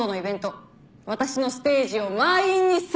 私のステージを満員にせよ！